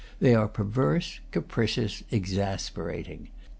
They are perverse, capricious, ex asperating.